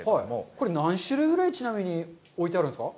これ、何種類ぐらい、ちなみに置いてあるんですか。